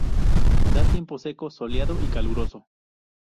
Da tiempo seco, soleado y caluroso.